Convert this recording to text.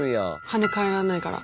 跳ね返らないから。